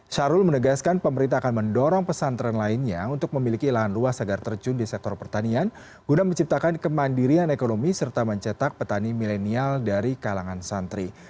syahrul menegaskan pemerintah akan mendorong pesantren lainnya untuk memiliki lahan luas agar terjun di sektor pertanian guna menciptakan kemandirian ekonomi serta mencetak petani milenial dari kalangan santri